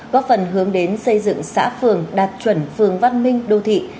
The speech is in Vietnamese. góp phần hướng đến xây dựng xã phường đạt chuẩn phường văn minh đô thị